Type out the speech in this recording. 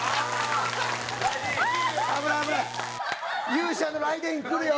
勇者のライデインくるよ。